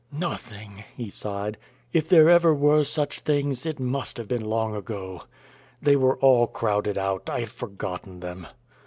"Nothing," he sighed. "If there ever were such things, it must have been long ago they were all crowded out I have forgotten them."